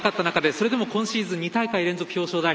それでも今シーズン２大会連続表彰台。